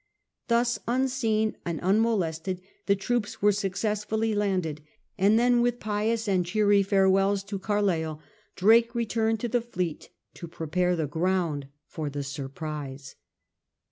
Thus unseen and unmolested, the troops were successfully landed, and then with pious and cheery farewells to Carleill, Drake returned to the fleet to prepare the ground for the surprise.